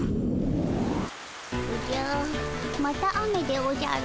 おじゃまた雨でおじゃる。